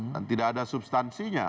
dan tidak ada substansinya